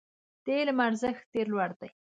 د علم ارزښت ډېر لوړ دی.